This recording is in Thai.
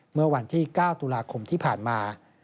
เมื่อวันที่๙ตุลาคมที่ผ่านมา